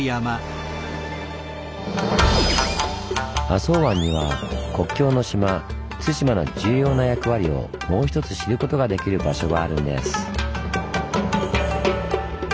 浅茅湾には国境の島・対馬の重要な役割をもうひとつ知ることができる場所があるんです。